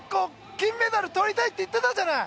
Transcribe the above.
金メダル取りたいって言ってたじゃない。